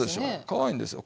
かわいいんですよ。